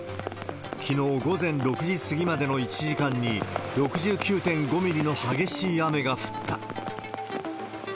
きのう午前６時過ぎまでの１時間に、６９．５ミリの激しい雨が降った。